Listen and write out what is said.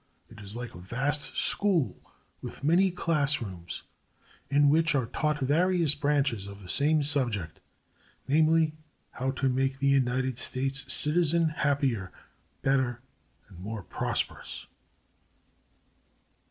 It is like a vast school with many class rooms in which are taught various branches of the same subject, namely how to make the United States citizens happier, better and more prosperous.